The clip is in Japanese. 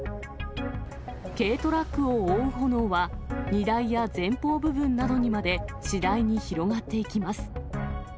軽トラックを覆う炎は、荷台や前方部分などにまで次第に広がっていきます。